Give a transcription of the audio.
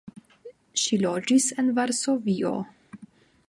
Ŝi loĝis en Varsovio.